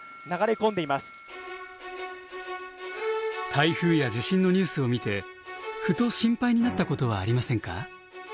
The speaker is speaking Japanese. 台風や地震のニュースを見てふと心配になったことはありませんか？